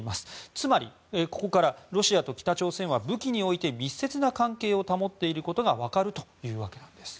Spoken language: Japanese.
つまり、ここからロシアと北朝鮮は武器において密接な関係を保っていることが分かるというわけなんです。